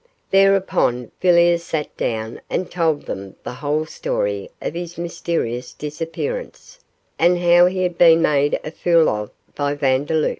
Thereupon Villiers sat down and told them the whole story of his mysterious disappearance, and how he had been made a fool of by Vandeloup.